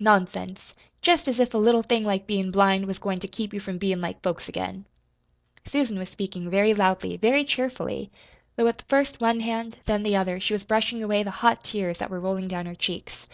"Nonsense! Jest as if a little thing like bein' blind was goin' to keep you from bein' like folks again!" Susan was speaking very loudly, very cheerfully though with first one hand, then the other, she was brushing away the hot tears that were rolling down her cheeks.